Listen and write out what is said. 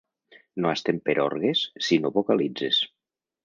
No estem per orgues si no vocalitzes.